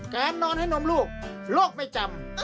แกนนอนให้นมลูกลูกไม่จำ